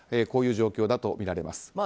こういう状況だとみられます。